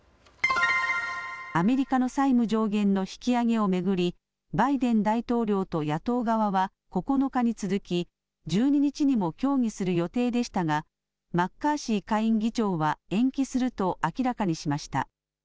アメリカの債務上限の引き上げを巡りバイデン大統領と野党側は９日に続き１２日にも協議する予定でしたがマッカーシー下院議長は延期すると明らかにしました。